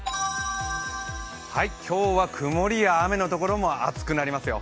今日は曇りや雨のところも暑くなりますよ。